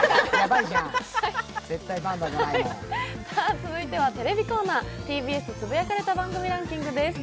続いてはテレビコーナー「ＴＢＳつぶやかれた番組ランキング」です。